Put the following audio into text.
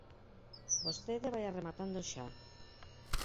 Vostede vaia rematando xa.